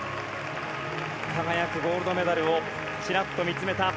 輝くゴールドメダルをちらっと見つめた。